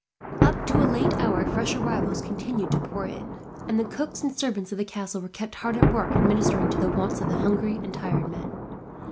Up to a late hour fresh arrivals continued to pour in, and the cooks and servants of the castle were kept hard at work, administering to the wants of the hungry and tired men.